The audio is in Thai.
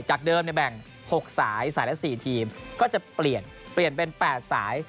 จากเดิมเนี่ยแบ่ง๖สายสายละ๔ทีมก็จะเปลี่ยนเป็น๘สาย